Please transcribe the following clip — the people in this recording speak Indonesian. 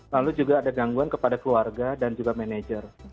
lalu juga ada gangguan kepada keluarga dan juga manajer